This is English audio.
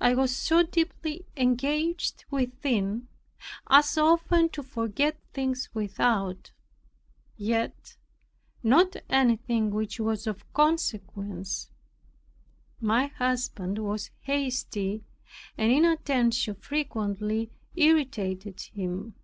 I was so deeply engaged within, as often to forget things without, yet not anything which was of consequence. My husband was hasty, and inattention frequently irritated him.